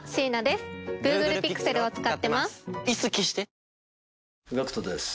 ＪＴＧＡＣＫＴです。